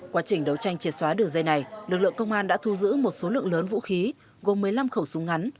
quá trình đấu tranh triệt xóa đường dây này lực lượng công an đã thu giữ một số lượng lớn vũ khí gồm một mươi năm khẩu súng ngắn